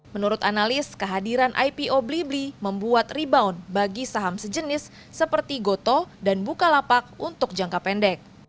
menurut analis kehadiran ipo beli beli membuat rebound bagi saham sejenis seperti gotoh dan bukalapak untuk jangka pendek